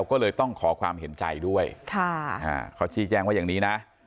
ก็เลยต้องขอความเห็นใจด้วยเขาชี้แจ้งว่าอย่างนี้นะ